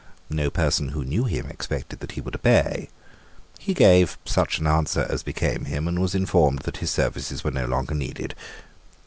No person who knew him expected that he would obey. He gave such an answer as became him, and was informed that his services were no longer needed.